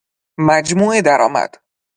مجموع درآمد